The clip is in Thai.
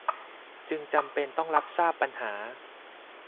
จึงจำเป็นต้องรับทราบปัญหา